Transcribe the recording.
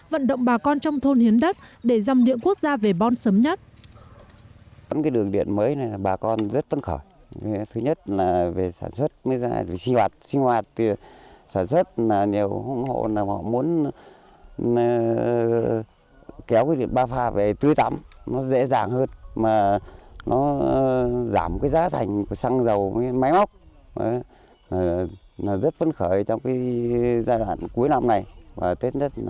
vận động bà con trong thôn hiến đất để dăm điện quốc gia về bon sớm nhất